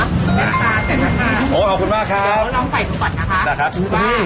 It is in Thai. แบบตาเสร็จแล้วค่ะเราลองใส่ก่อนนะคะว่ามันได้เป็นข่าว